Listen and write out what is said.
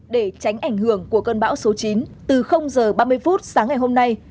để tránh ảnh hưởng của cơn bão số chín từ h ba mươi phút sáng ngày hôm nay